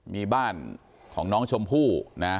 มีบ้านของน้องชมพู่นะ